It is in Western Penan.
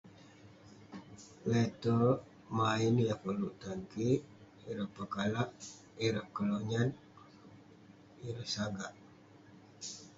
Le'terk..main..yah koluk tan kik..ireh pekalap..ireh kelonyat, ireh sagak..